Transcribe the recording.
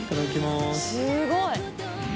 すごい。